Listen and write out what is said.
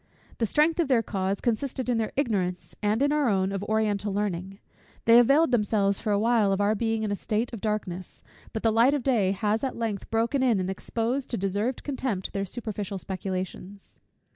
The strength of their cause consisted in their ignorance, and in our own, of oriental learning. They availed themselves for a while of our being in a state of darkness; but the light of day has at length broken in and exposed to deserved contempt their superficial speculations.